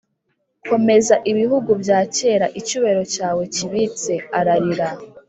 “komeza, ibihugu bya kera, icyubahiro cyawe kibitse!” ararira